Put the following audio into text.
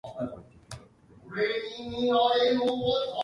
Time limits were extended to three years, four years, and ten years.